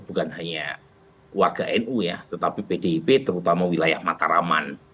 bukan hanya warga nu ya tetapi pdip terutama wilayah mataraman